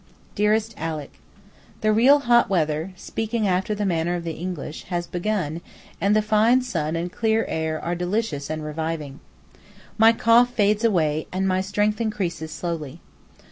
DEAREST ALICK, The real hot weather (speaking after the manner of the English) has begun, and the fine sun and clear air are delicious and reviving. My cough fades away, and my strength increases slowly.